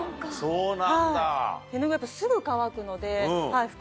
そうなんだ。